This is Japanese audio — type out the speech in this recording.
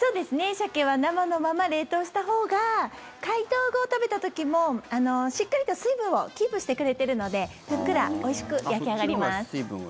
サケは生のまま冷凍したほうが解凍後、食べた時もしっかりと水分をキープしてくれてるのでふっくらおいしく焼き上がります。